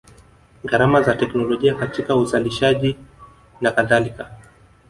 Gharama za teknolojia katika uzalishaji na kadhalika